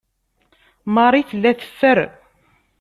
Marie tella teffer.